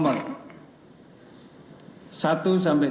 menjatuhkan pidana tambahan terhadap terdakwa selama lima tahun